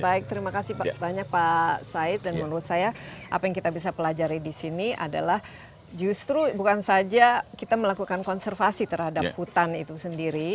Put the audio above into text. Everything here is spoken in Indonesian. baik terima kasih banyak pak said dan menurut saya apa yang kita bisa pelajari di sini adalah justru bukan saja kita melakukan konservasi terhadap hutan itu sendiri